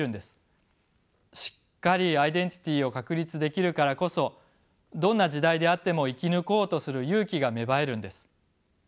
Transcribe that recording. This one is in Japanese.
しっかりアイデンティティーを確立できるからこそどんな時代であっても生き抜こうとする勇気が芽生えるんです。